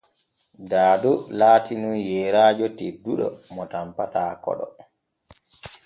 Daado laatinun yeyraajo tedduɗo mo tanpata koɗo.